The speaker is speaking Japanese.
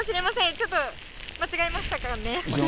ちょっと間違えましたかね。